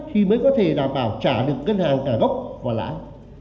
thì mới có thể đảm bảo trả được ngân hàng cả gốc và lãi